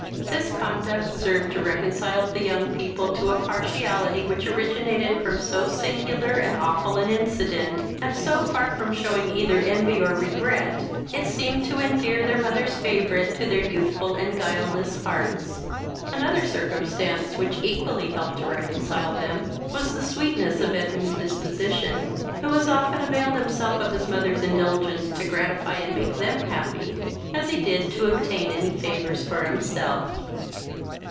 This conduct served to reconcile the young people to a partiality which originated from so singular and awful an incident, and, so far from shewing either envy or regret, it seemed to endear their mother's favourite to their youthful and guileless hearts. Another circumstance, which equally helped to reconcile them, was the sweetness of Edwin's disposition, who as often availed himself of his mother's indulgence to gratify and make them happy, as he did to obtain any of her favours for himself.